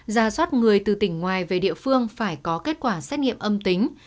ra soát người từ tỉnh ngoài về địa phương phải có kết quả xét nghiệm âm tính